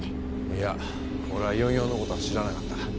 いや俺は４４の事は知らなかった。